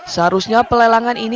seharusnya pelelangan ini tiba tiba